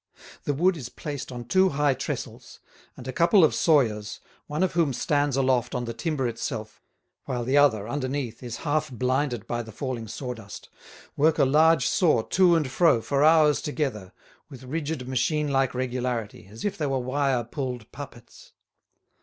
The wood is placed on two high tressels, and a couple of sawyers, one of whom stands aloft on the timber itself, while the other underneath is half blinded by the falling sawdust, work a large saw to and fro for hours together, with rigid machine like regularity, as if they were wire pulled puppets.